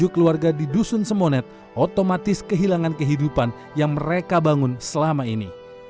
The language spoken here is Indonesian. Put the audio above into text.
tujuh keluarga di dusun semonet otomatis kehilangan kehidupan yang mereka bangun selama ini